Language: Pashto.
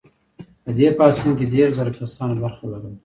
په دې پاڅون کې دیرش زره کسانو برخه لرله.